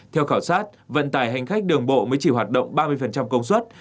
theo khảo sát vận tài hành khách đường bộ mới chỉ hoạt động ba mươi công suất